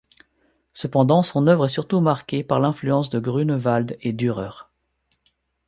Cependant son œuvre est surtout marquée par l'influence de Grünewald et Dürer.